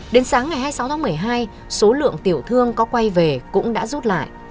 đến sáng ngày hai mươi sáu tháng một mươi hai số lượng tiểu thương có quay về cũng đã rút lại